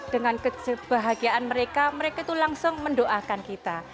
dengan kebahagiaan mereka mereka itu langsung mendoakan kita